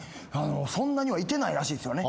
そんなにはいてないらしいっすよね。